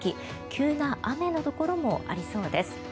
急な雨のところもありそうです。